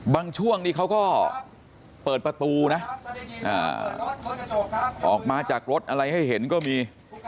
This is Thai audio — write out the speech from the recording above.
ช่วงนี้เขาก็เปิดประตูนะออกมาจากรถอะไรให้เห็นก็มี